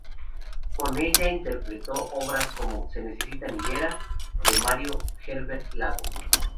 Con ella interpretó obras como "Se necesita niñera" de Mario Herbert Lago.